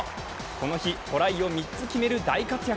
この日、トライを３つ決める大活躍。